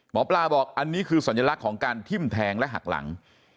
หมอปลาบอกอันนี้คือสัญลักษณ์ของการทิ้มแทงและหักหลัง